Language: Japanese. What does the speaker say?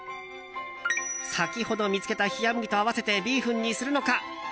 先ほど見つけたひやむぎと合わせてビーフンにするのか。